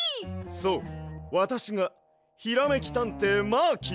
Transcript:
そうわたしがひらめきたんていマーキーです。